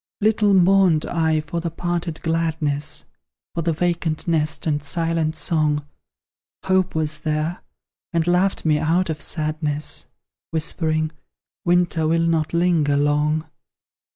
Little mourned I for the parted gladness, For the vacant nest and silent song Hope was there, and laughed me out of sadness; Whispering, "Winter will not linger long!"